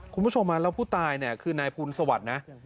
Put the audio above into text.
คุณผู้ชมมาแล้วผู้ตายคือนายภูมิสวรรค์นะ